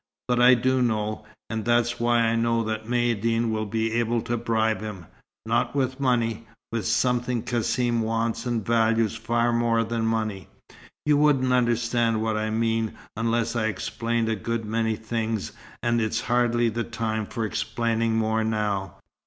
But I do know. And that's why I know that Maïeddine will be able to bribe him. Not with money: with something Cassim wants and values far more than money. You wouldn't understand what I mean unless I explained a good many things, and it's hardly the time for explaining more now.